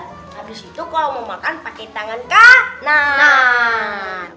dan juga abis itu kalau mau makan pakai tangan kanan